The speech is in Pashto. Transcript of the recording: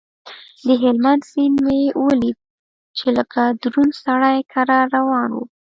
د هلمند سيند مې وليد چې لکه دروند سړى کرار روان و.